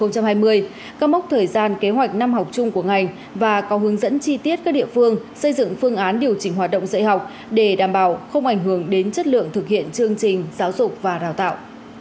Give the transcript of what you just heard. các mốc thời gian kế hoạch năm học chung của ngành và có hướng dẫn chi tiết các địa phương xây dựng phương án điều chỉnh hoạt động dạy học để đảm bảo không ảnh hưởng đến chất lượng thực hiện chương trình giáo dục và đào tạo